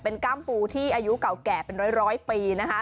กล้ามปูที่อายุเก่าแก่เป็นร้อยปีนะคะ